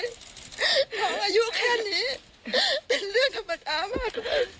น้องอายุแค่นี้เป็นเรื่องธรรมดามาก